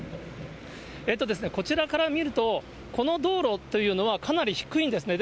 こちらから見ると、この道路というのは、かなり低いんですね。